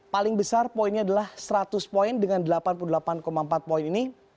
paling besar poinnya adalah seratus poin dengan delapan puluh delapan empat poin ini